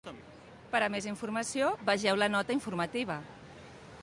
Per a més informació vegeu la nota informativa.